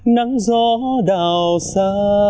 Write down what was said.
nắng gió đào xa